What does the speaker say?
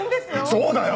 そうだよ！